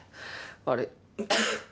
悪い。